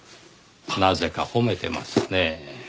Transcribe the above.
なぜか褒めてますね。